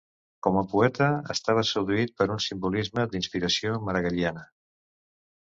Com a poeta, estava seduït per un simbolisme d'inspiració maragalliana.